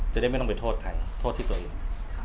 จะได้ไม่ต้องไปโทษใครโทษที่ตัวเอง